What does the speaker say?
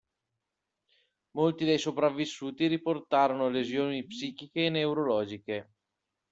Molti dei sopravvissuti riportarono lesioni psichiche e neurologiche.